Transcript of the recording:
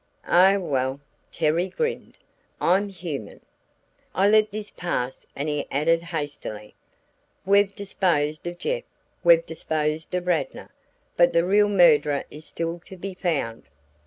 "Oh, well," Terry grinned, "I'm human!" I let this pass and he added hastily, "We've disposed of Jeff; we've disposed of Radnor, but the real murderer is still to be found."